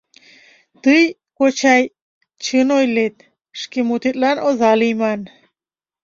— Тый, кочай, чын ойлет: шке мутетлан оза лийман.